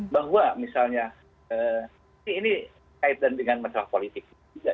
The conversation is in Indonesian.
bahwa misalnya ini kaitan dengan masalah politik juga